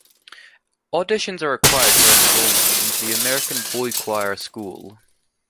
Auditions are required for enrollment into The American Boychoir School.